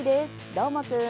どーもくん！